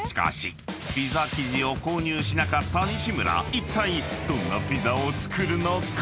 ［いったいどんなピザを作るのか？］何？